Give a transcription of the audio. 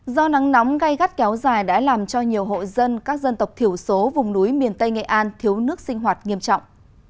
do nắng nóng gây gắt kéo dài đã làm cho nhiều hộ dân các dân tộc thiểu số vùng núi miền tây nghệ an thiếu nước sinh hoạt nghiêm trọng